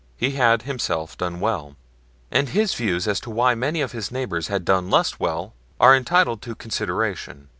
He had himself done well, and his views as to why many of his neighbors had done less well are entitled to consideration.